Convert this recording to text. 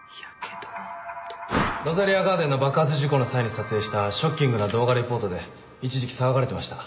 ロザリアガーデンの爆発事故の際に撮影したショッキングな動画リポートで一時期騒がれてました。